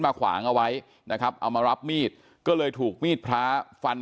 ขวางเอาไว้นะครับเอามารับมีดก็เลยถูกมีดพระฟัน